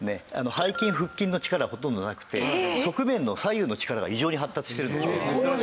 背筋腹筋の力ほとんどなくて側面の左右の力が異常に発達しているのが。